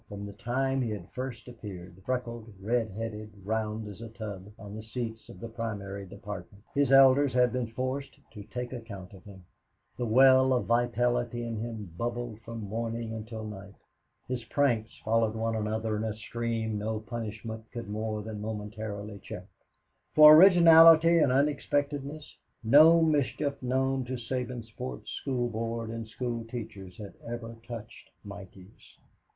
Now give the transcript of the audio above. From the time he had first appeared freckled, red headed, round as a tub on the seats of the Primary Department, his elders had been forced to take account of him. The well of vitality in him bubbled from morning until night. His pranks followed one another in a stream no punishment could more than momentarily check. For originality and unexpectedness, no mischief known to Sabinsport's School Board and school teachers had ever touched Mikey's.